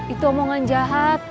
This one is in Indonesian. itu omongan jahat